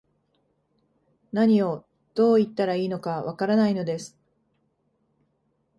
何を、どう言ったらいいのか、わからないのです